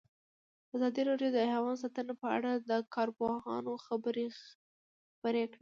ازادي راډیو د حیوان ساتنه په اړه د کارپوهانو خبرې خپرې کړي.